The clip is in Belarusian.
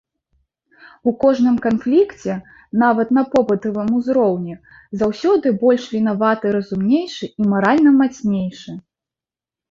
У кожным канфлікце, нават на побытавым узроўні, заўсёды больш вінаваты разумнейшы і маральна мацнейшы.